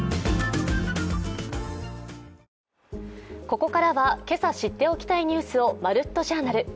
ここからは今朝知っておきたいニュースを「まるっと！Ｊｏｕｒｎａｌ」。